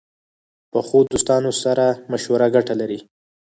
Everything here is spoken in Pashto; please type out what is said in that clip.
پخو دوستانو سره مشوره ګټه لري